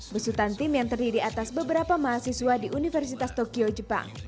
besutan tim yang terdiri atas beberapa mahasiswa di universitas tokyo jepang